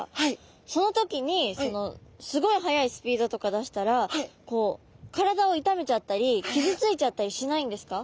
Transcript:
その時にすごい速いスピードとか出したら体を痛めちゃったり傷ついちゃったりしないんですか？